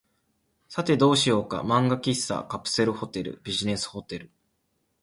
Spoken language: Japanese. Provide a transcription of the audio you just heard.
さて、どうしようか。漫画喫茶、カプセルホテル、ビジネスホテル、